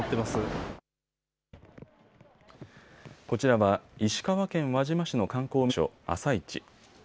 こちらは石川県輪島市の観光名所、朝市。